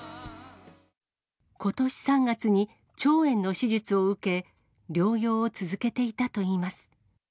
ことし３月に腸炎の手術を受け、療養を続けていたといいます。